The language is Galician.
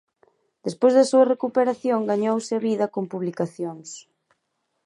Despois da súa recuperación gañouse a vida con publicacións.